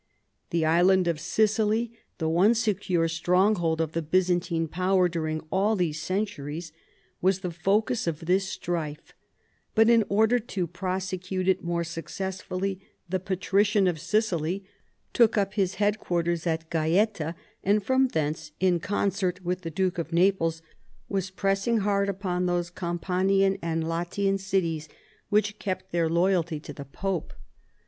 The island of Sicily, the one secure stronghold of the Byzantine power during all these centuries, was the focus of this strife, but in order to prosecute it more successfully the patrician of Sicily took up his headquarters at Gaeta, and from thence, in concert with the Duke of ITaples, was pressing hard upon those Campanian and Latian cities which kept their ](jyalty to the pope.